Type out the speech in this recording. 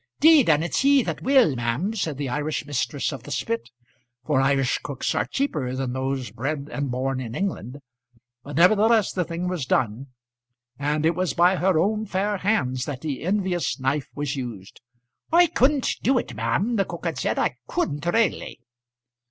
"Deed, an' it's he that will, ma'am," said the Irish mistress of the spit; for Irish cooks are cheaper than those bred and born in England. But nevertheless the thing was done, and it was by her own fair hands that the envious knife was used. "I couldn't do it, ma'am," the cook had said; "I couldn't railly."